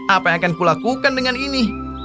apa yang akan kulakukan dengan ini